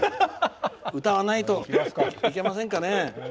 歌わないといけませんかね。